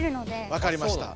わかりました。